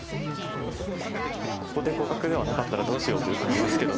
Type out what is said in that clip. ここで互角ではなかったらどうしようという感じですけど。